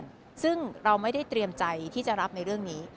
ส่งผลถึงครอบครัวถึงเพื่อนซึ่งเราไม่ได้เตรียมใจที่จะรับในเรื่องนี้